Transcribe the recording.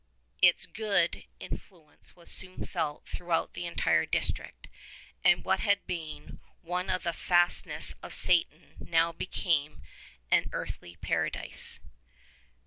Its good in fluence was soon felt throughout the entire district, and what 136 had been one of the fastnesses of Satan now became an earthly Paradise.